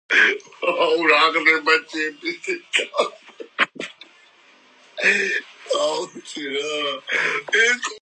სამშობლოში დაბრუნებული შიომღვიმის სავანეში დამკვიდრებულა.